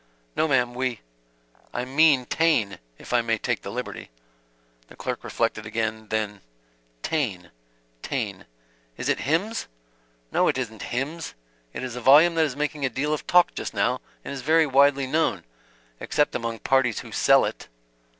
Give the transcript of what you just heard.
No, ma'm we " "I mean Taine if I may take the liberty." The clerk reflected again then: "Taine .... Taine .... Is it hymns?" "No, it isn't hymns. It is a volume that is making a deal of talk just now, and is very widely known except among parties who sell it."